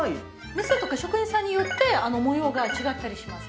店とか職人さんによって模様が違ったりします。